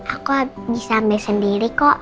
aku bisa ambil sendiri kok